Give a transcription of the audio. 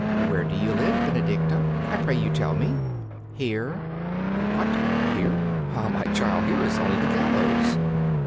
'Where do you live, Benedicta? I pray you tell me.' 'Here.' 'What! here? Ah, my child, here is only the gallows.